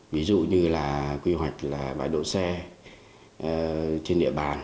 ví dụ như là quy hoạch bài đỗ xe trên địa bàn